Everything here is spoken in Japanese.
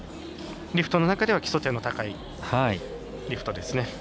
リフトの中では基礎点の高いリフトですね。